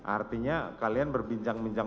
artinya kalian berbincang bincang